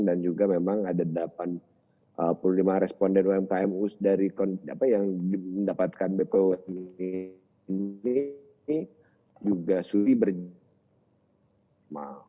dan juga memang ada delapan puluh lima responden umkm yang mendapatkan bpum ini juga sulih berjalan